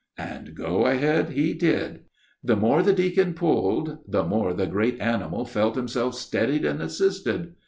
And go ahead he did. The more the deacon pulled, the more the great horse felt himself steadied and assisted.